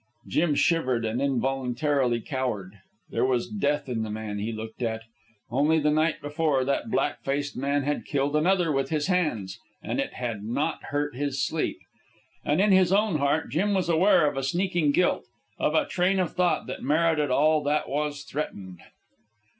Jim shivered and involuntarily cowered. There was death in the man he looked at. Only the night before that black faced man had killed another with his hands, and it had not hurt his sleep. And in his own heart Jim was aware of a sneaking guilt, of a train of thought that merited all that was threatened.